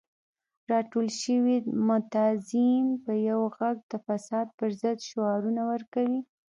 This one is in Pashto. راټول شوي معترضین په یو غږ د فساد پر ضد شعارونه ورکوي.